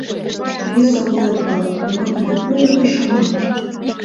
Тый эсогыл от пале, могай тудо поро да шыма!